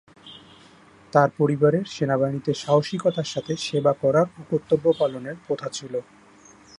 তাঁর পরিবারে সেনাবাহিনীতে সাহসিকতার সাথে সেবা করার ও কর্তব্য পালনের প্রথা ছিল।